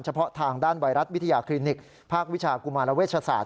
เฉพาะทางด้านไวรัสวิทยาคลินิกภาควิชากุมารเวชศาส